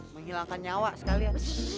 menghilangkan nyawa sekali ya